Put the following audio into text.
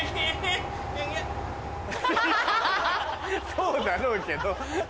そうだろうけど。